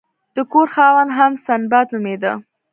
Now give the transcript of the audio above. د کور خاوند هم سنباد نومیده.